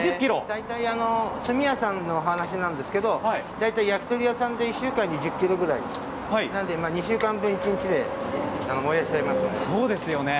大体炭屋さんの話ですけど焼き鳥屋さんで１週間で１０ｋｇぐらい２週間分、一日で燃やしちゃいますね。